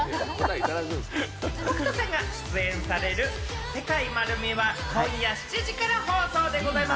北斗さんが出演される『世界まる見え！』は今夜７時から放送でございます。